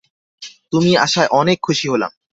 তুমি আসায় অনেক খুশি হলাম।